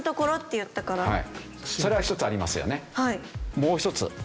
もう一つ。